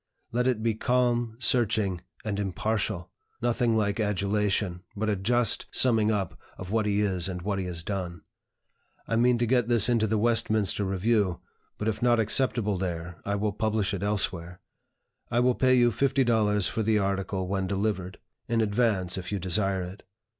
Let it be calm, searching, and impartial; nothing like adulation, but a just summing up of what he is and what he has done. I mean to get this into the 'Westminster Review,' but if not acceptable there, I will publish it elsewhere. I will pay you fifty dollars for the article when delivered; in advance, if you desire it.